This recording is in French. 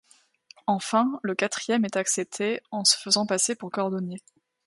Enfin, le quatrième est accepté en se faisant passer pour cordonnier.